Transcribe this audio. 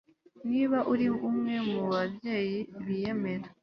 niba uri umwe mubabyeyi biyemera